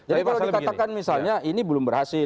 jadi kalau dikatakan misalnya ini belum berhasil